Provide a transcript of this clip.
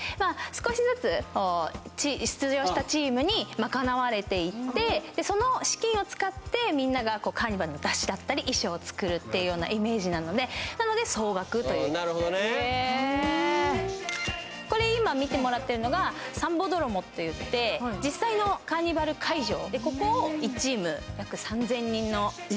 少しずつ出場したチームに賄われていってその資金を使ってみんながカーニバルの山車だったり衣装を作るっていうようなイメージなのでなので総額というなるほどねこれ今見てもらってるのがサンボドロモっていってここを１チーム３０００人？